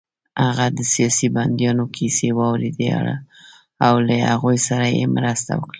هغه د سیاسي بندیانو کیسې واورېدې او له هغوی سره يې مرسته وکړه